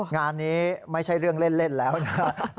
งานนี้ไม่ใช่เรื่องเล่นแล้วนะครับ